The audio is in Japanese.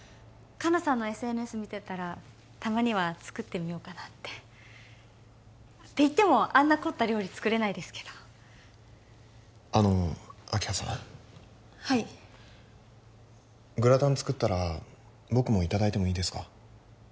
香菜さんのＳＮＳ見てたらたまには作ってみようかなってっていってもあんな凝った料理作れないですけどあの明葉さんはいグラタン作ったら僕もいただいてもいいですか？